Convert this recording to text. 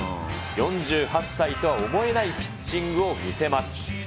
４８歳とは思えないピッチングを見せます。